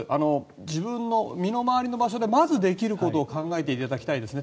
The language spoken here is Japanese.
自分の身の回りの場所でまずできることを考えていただきたいですね。